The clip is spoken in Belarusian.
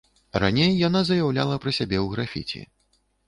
Раней яна заяўляла пра сябе ў графіці.